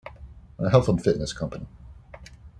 A health and fitness company.